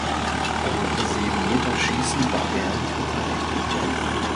Am Siebenmeterschießen war er nicht beteiligt.